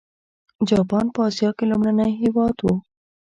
جاپان په اسیا کې لومړنی هېواد و.